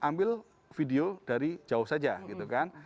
ambil video dari jauh saja gitu kan